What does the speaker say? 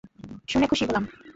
শুনে খুশি হলাম।